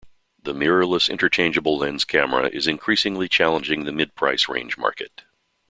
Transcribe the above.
The mirrorless interchangeable-lens camera is increasingly challenging the mid price range market.